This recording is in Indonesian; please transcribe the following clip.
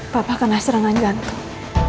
papa kena serangan jantung